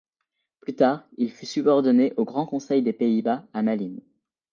Plus tard il fut subordonné au Grand conseil des Pays-Bas à Malines.